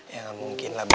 ya gak mungkin lah